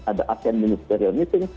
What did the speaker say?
ada asean ministerial meeting